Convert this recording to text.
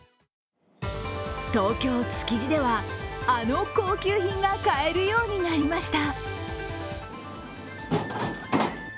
東京・築地では、あの高級品が買えるようになりました。